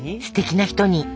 すてきな人に。